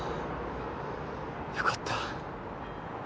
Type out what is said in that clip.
よかった。